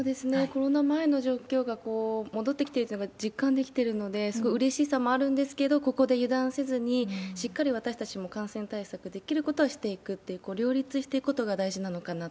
コロナ前の状況が戻ってきてるっていうのが実感できてるので、すごいうれしさもあるんですけど、ここで油断せずに、しっかり私たちも感染対策、できることはしていくっていう、両立していくことが大事なのかな